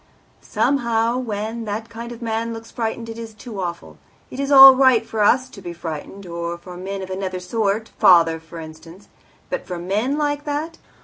"Somehow, when that kind of man looks frightened it is too awful. It is all right for us to be frightened, or for men of another sort father, for instance; but for men like that!